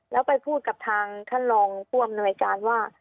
แล้วไปพูดกับทางท่านรองผู้อำนวยการว่า